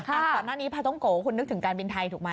ก่อนหน้านี้พาท้องโกคุณนึกถึงการบินไทยถูกไหม